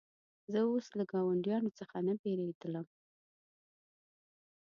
زه اوس له ګاونډیانو څخه نه بېرېدلم.